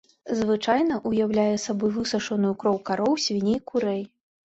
Звычайна ўяўляе сабой высушаную кроў кароў, свіней, курэй.